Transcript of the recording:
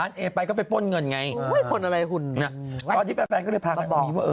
พร้อมที่แผลก็ได้พากากก